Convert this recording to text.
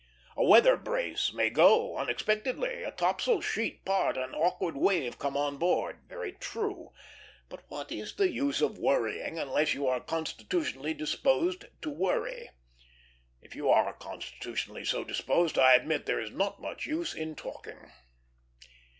A weather brace may go unexpectedly; a topsail sheet part; an awkward wave come on board. Very true; but what is the use of worrying, unless you are constitutionally disposed to worry. If you are constitutionally so disposed, I admit there is not much use in talking.